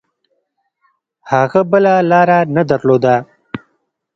هغه بله لاره نه درلوده.